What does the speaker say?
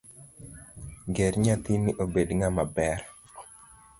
Ger nathini obed ng'ama ber.